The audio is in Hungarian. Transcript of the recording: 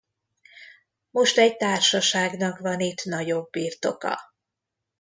Most egy társaságnak van itt nagyobb birtoka.